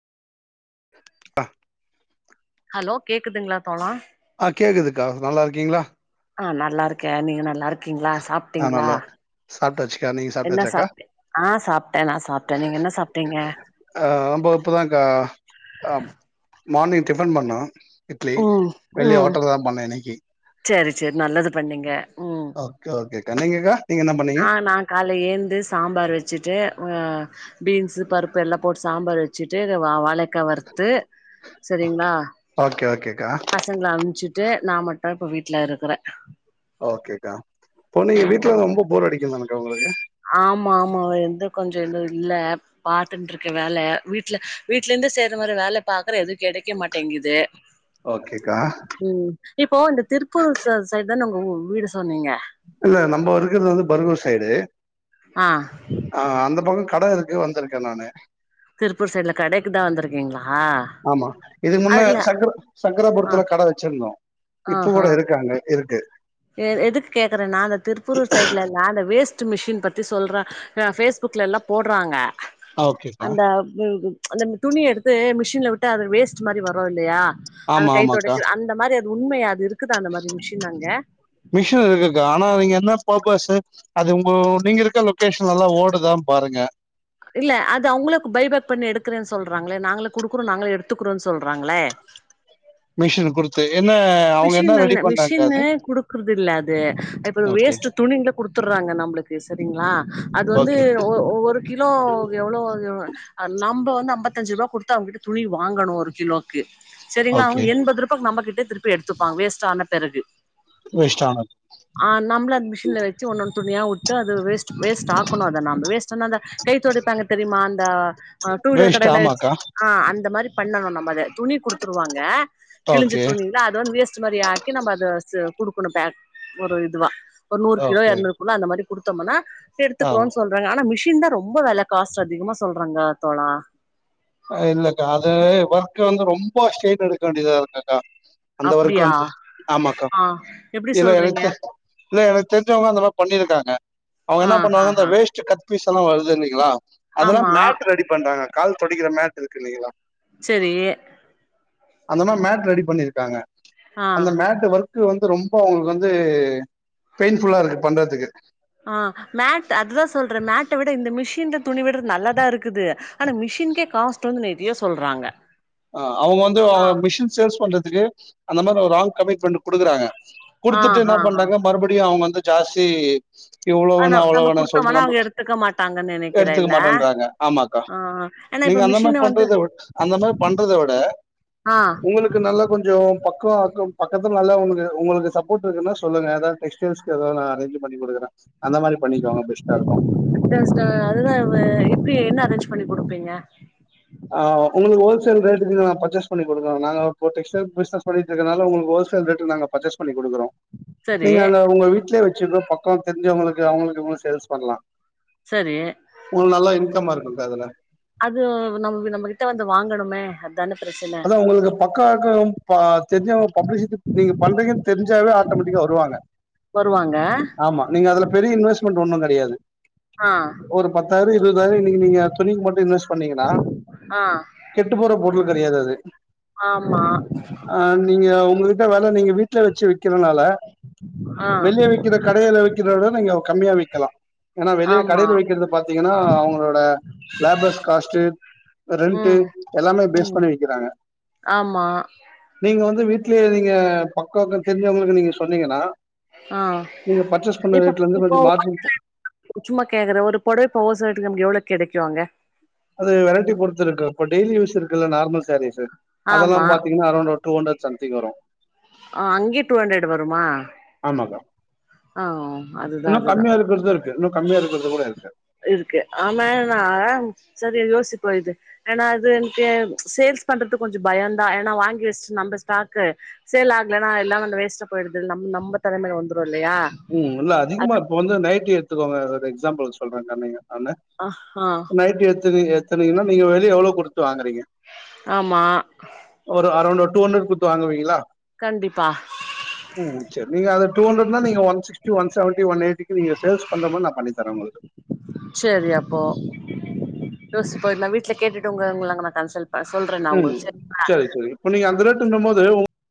ப்பா ஹலோ கேக்குதுங்ளா தோழா அ கேக்குதுக்கா நல்லா இருக்கீங்ளா அ நல்லா இருக்க நீங்க நல்லா இருக்கீங்ளா ஆ சாப்ட்டீங்ளா நல்லா இருக்க சாப்ட்டாச்சுக்கா நீங்க என்ன சாப்ட்டாச்சாக்கா சாப்ட்ட அ சாப்ட்ட நா சாப்ட்ட நீங்க என்ன சாப்ட்டீங்க அ நம்ப இப்பதாக்கா அ மார்னிங் டிஃபன் பண்னோ இட்லி ம் வெளிய ம் ஹோட்டல தா பண்ணே இன்னைக்கி செரி செரி நல்லது பண்ணீங்க ஓகே ஓகே கா நீங்கக்கா நீங்க என்ன பண்ணீங்க அ நா கால்ல ஏந்து சாம்பார் வெச்சிட்டு அ பீன்ஸ்ஸு பருப் பு எல்லா போட்டு சாம்பார் வெச்சிட்டு வ வாழக்கா வறுத்து சரிங்ளா ஓகே ஓகேக்கா பச சங்ள அம்ச்சிட்டு நா மட்டோ இப்ப வீட்ல இருக்றே ஓகேக்கா இப்போ நீங்க வீட்ல ரொம்ப போர் அடிக்குந்தானுக்கா ஒங்களுக்கு ஆமா ஆமா எந்து கொஞ்சோ எதுவு இல்ல பாத்துன்ருக்க வேல வீட்ல வீட்ல இருந்து செய்ற மாரி வேல பாக்ற எதுவு கெடைக்க மாட்டேங்கிது ஓகேக்கா ம் இப்போ இந்த திருக்கூர் ச சைடு தான உங்க ஊ வீடு சொன்னீங்க இல்ல நம்பௌ இருக்கர்து வந்து பருகூர் சைடு ஆ அ அந்த பக்கோ கட இருக்கு வந்திருக்க நானு திருப்பூர் சைட்ல கடைக்குதா வந்துருக்கீங்ளா ஆமா இதுக்கு முன்ன அதுல்ல சங்கர சங்கராபுரத்துல கட வெச்சிருந்தோ இப்போ கூட ஆஹா இருக்கு அங்க இருக்கு எ எதுக்கு கேக்குறேன்னா அந்த திருப்பூர் சைட்லல்லா அந்த வேஸ் ட் மிஷின் பத்தி சொல்ற ஃபேஸ்புக்லல்லாம் போட்றாங்க ஓகேக்கா அந்த ம் அந்த துணி எடுத்து மிஷின்ல வுட்டு வேஸ்ட் மாரி வரும் இல்லையா அந்த ஆமா ஆமாக்கா கைத்துடைக்க அந்த மாரி உண்மையா அது இருக்குதா அந்த மாரி மிஷின் அங்க மிஷின் இருக்குக்கா ஆனா நீங்க என்ன பர்பஸு அது உங்கோ நீங்க இருக்க லொக்கேஷன்ல எல்லாம் ஓடுதான் பாருங்க இல்ல அது அவுங்களுக்கு பைபேக் பண்ணி எடுக்கிறேன் சொல்கிறாங்ளே நாங்களே கொடுக்குறோம் நாங்களே எடுத்துக்கிறோம்ன்னு சொல்லுறாங்ளே மிஷின் குடுத்து என்ன அவங்க என்ன மிஷின் ரெடி அந்த பண்றாங்க்கா மிஷினு அது குடுக்குறது இல்ல அது இப்ப ஓகே வேஸ்ட் துணிகள குடுத்துறாங்க நம்ளுக்கு சேரிங்களா அது வந்து ஓகே ஓ ஒவ்வோரு கிலோக்கு எவ்ளோ வாங்குவாங்க ஆ நம்ப வந்து அம்பத்தஞ்சு ரூவா குடுத்து அவங்கிட்ட துணி வாங்கணு ஒரு கிலோ க்கு சேரிங்களா ஓகே அவங்க எண்பது ரூபாக்கு நம்மகிட்டே திருப்பி எடுத்துப்பாங்க வேஸ்ட் ஆன பெறகு வேஷ்டானது ஆ நம்பளு அந்த மிஷின்ல வச்சு ஒன்னொன்னு துணியா வுட்டு அது வேஸ்ட் வேஸ்ட் ஆக்கணு அத நாம்ப வேஸ்டுனா அந்த கை தொடைப்பாங்க தெரியுமா அந்த ஆ டூ வீலர் வேஸ்ட் கடையில வச்சு ஆமாக்கா ஆ அந்த மாரி பண்ணணு நம்ம அத துணி குடுத்துருவாங்க கிழிஞ்சு ஓகே இல்ல அதோரு வேஸ்ட் மாரி ஆக்கி நம்ப அத ச குடுக்குணு பேக் ஒரு இதுவா ஒரு நூறு கிலோ ஓகே எரநூறு கிலோ அந்த மாரி குடுத்தோமுனா ஆ எடுத்துக்றோ சொல் றாங்க ஆனா மிஷின்தா ரொம்ப வெல காஸ்ட் அதிகமா சொல்றாங்க தோழா ஆ இல்ல அக்கா அது ஒர்க்க வந்து ரொம்ப ஸ்ட்ரெயின் எடுக்க வேண்டியதா இருக்கு அக்கா அந்த ஓர்க்கு அப்டியா வந்து ஆமாக்கா ஆ எப்டி எதோ எனக்கு சொல்றீங்க தெ இல்ல எனக்கு தெரிஞ்சவங்க அந்த மாரி பண்ணிருக்காங்க அவுங்க ஆ என்ன ஆ பண்ணுவாங்க அந்த ஆ வேஸ்ட் கட் பீஸ்ஸெல்லா வருது இல்லிங்க்ளா அதெல்லா ஆமா மேட் ரெடி பண்றாங்க கால் தொடைக்கிற மேட் இருக்கு இல்லிங்களா சேரி அந்த மாரி மேட் ரெடி பண்ணிருக்காங்க ஆ அந்த மேட் வந்து [inaudible] வந்து ரொம்ப அவுங்களுக்கு வந்து பெயின்ஃபுல்லா இருக்கு பண்றதுக்கு ஆ மேட் அதுதா சொல்றே மேட்ட விட இந்த மிஷின்ல துணி விடுறது நல்லாதா இருக்குது ஆனா மிஷின்கே காஸ்ட் வந்து நெறையா சொல்றாங்க ஆ அவுங்க வந்து ஆ அவுங்க மிஷின் சேல்ஸ் பண்றதுக்கு அந்த மாரி ஒரு ராங் கமிட்மெண்ட் குடுக்குறாங்க ஆ குடுத்துட்டு என்னா ஆ ஆ பண்றாங்க மறுபடியு அவுங்க வந்து ஜாஸ்தி இவ்ளோ ஆனா வேணு அவ்ளோ நம்ம வேணுனு சொல்று குடுத்தோம்னா நம்ப அவங்க எடுத்துக்க மாட்டாங்கன்னு நெனைக்கிறே எடுத்துக்க இல்ல மாட்றன்றாங்க ஆமா கா ஆ ஏன்னா நீங்க இப்ப அந்த மாரி மிஷின வந்து பண்றத விட் அந்த மாதிரி பண்றத விட ஆ ஒங்களுக் கு நல்லா கொஞ்சோ பக்கோ [inaudible] பக்கத்துல நல்லா ஒங்க்ளுக்கு ஒங்க்ளுக்கு சப்போட் இருக்குன்னா சொல்லுங்க ஏதாது பிசினஸ்க்கு எதாது நா அரேஞ் பண்ணி குடுக்குற அந்த மாரி பண்ணிக்கோங்க பெஸ்ட்டாருக்கு [unintelligible] அதுதா எப் எப்டி என்ன அரேஞ்ச் பண்ணி குடுப்பீங்க ஆ ஒங்களுக்கு ஹோல்சேல் ரேட்டுக்கு நா பர்ச்சஸ் பண்ணி குடுக்குற நாங்க டெக்ஸ்டைல் பிசினஸ் பண்ணிட்டுருக்கனால ஒங்களுக்கு ஹோல்சேல் ரேட்டுக்கு நாங்க பர்ச்சஸ் பண்ணி குடுக்குறோ சரி நீங்க அங்க ஒங்க வீட்லயே வச்சுக்கூட பக்கோ தெரிஞ்சவங்களுக்கு அவங்களுக்கு இவங்களுக் சேல்ஸ் பண்லா சேரி ஒங்களுக்கு நல்ல இன்கம்மா இருக்குங்கா அதுல அது நம்ப நம்பகிட்ட வந்து வாங்கணுமே அதான பிரச்சன ஒங்களுக்கு பக்கவாக்கோ ப தெரிஞ்சவ பப்ளிசிட்டி நீங்க பண்றீங்கன் தெரிஞ்சாவே ஆட்டோமேட்டிக்கா வருவாங்க வருவாங்க ஆமா நீங்க அதுல பெரிய இன்வெஸ்ட்மெண்ட் ஒன்னு கெடையாது ஆ ஒரு பத்தாயிரோ இருபதாயிரோ இன்னிக்கு நீங்க துணிக்கு மட்டு இன்வெஸ்ட் பண்ணீங்கன்னா ஆ கெட்டு போற பொருள் கெடையாது அது ஆமா ஆ நீங்க ஒங்கள்ட்ட வேல நீங்க வீட்ல வச்சு விக்கினால ஆ வெளியே விக்கிற கடையில விக்கிற விட நீங்க கம்மியா விக்கலா ஏன்னா வெளிய ஆமா கடையில விக்கிறத பாத்தீங்கன்னா அவங்களோட லேபர்ஸ் காஸ்ட் ரெண்ட்டு ம் எல்லாமே பேஸ் ம் பண்ணி விக்கிறாங்க ஆமா நீங்க வந்து வீட்லயே நீங்க பக்காக்னா தெரிஞ்சவங்கனு நீங்க சொன்னீங்கனா ஆ நீங்க பர்ச்சேஸ் பண்ண இப்போ ரேட்ல இருந்து கொஞ்ச இப்போ மார்ஜின் சும்மா கேக்கற ஒரு பொடவ ஹோல்சே ரேட்டுக்கு நமக்கு எவ்ளோ கெடைக்கு அங்க அது வெரைட்டி பொருத்து இருக்கு அப்ப டெய்லி யூஸ் இருக்குல்ல நார்மல் சேரீஸு அதெல்லா ஆமா பாத்தீங்னா அரோன்ட் ஒரு டூ ஹண்ரட் சக்திக்கு வரு ஆ அங்கியு டூ ஹண்ட்ரட் வருமா ஆமா பா ஆ அதுதா இன்னு அதுதா கம்மியா இருக்கறது இருக்கு இன்னு கம்மியா இருக்கறது கூட இருக்கு இருக்கு ஆமா நா செரி யோசிப்போ இது ஆனா அது எனக்கு சேல்ஸ் பண்றதுக்கு கொஞ்ச பயந்தா ஏனா வாங்கி வச்ட்டு நம்ப ஸ்டாக்கு சேல் ஆகலனா எல்லா வந்து வேஸ்டா போய்டுது நம் நம்ப தலைமேல வந்துரு இல்லையா ம் இல்ல அதிகமா இப்ப வந்து நைட்டி எடுத்துக்கோங்க ஒரு எக்ஸாம்பிள் சொல்றங்கன்னீங்க ஆன ஆ நைட்டி எத்தன எத்துனிங்னா நீங்க வெளிய எவ்ளோ குடுத்து வாங்குறீங்க ஆமா ஒரு அரௌண்ட் டூ ஹண்ட்ரட் குடுத்து வாங்குவீங்ளா கண்டிப்பா ம் ம் செரி நீங்க அது டூ ஹண்ட்ரட்னா நீங்க one to one seventy one எயிட்டிக்கு நீங்க சேல்ஸ் பண்ற மாரி நா பண்ணி தர உங்களுக்கு செரி அப்போ யோச் போய்ர்லா வீட்ல கேட்டுட்டு உங்க உங்கள நாங்க கன்சல் ம் செரி செரி இப்ப நீங்க அந்த ரேட்டுங்குபோது உங்